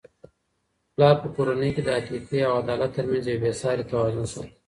پلار په کورنی کي د عاطفې او عدالت ترمنځ یو بې سارې توازن ساتي.